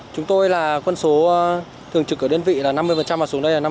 chúng tôi là quân số thường trực ở đơn vị là năm mươi và xuống đây là năm mươi